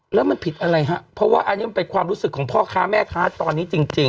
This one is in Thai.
แล้วมันผิดอะไรฮะเพราะว่าอันนี้มันเป็นความรู้สึกของพ่อค้าแม่ค้าตอนนี้จริง